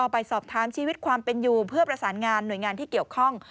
ไปสอบถามชีวิตความเป็นอยู่เพื่อประสานงานหน่วยงานที่เกี่ยวข้อง